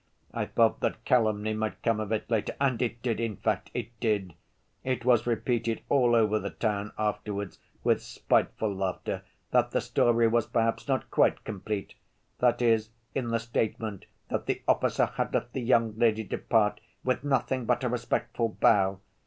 I felt that calumny might come of it later (and it did, in fact, it did). It was repeated all over the town afterwards with spiteful laughter that the story was perhaps not quite complete—that is, in the statement that the officer had let the young lady depart "with nothing but a respectful bow."